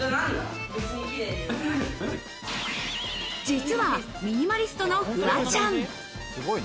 実はミニマリストのフワちゃん